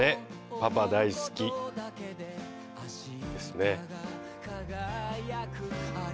パパ大好き」ですね。